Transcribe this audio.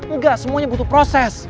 enggak semuanya butuh proses